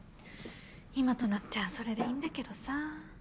今となってはそれでいいんだけどさ。